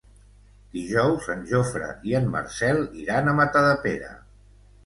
Dijous en Jofre i en Marcel iran a Matadepera.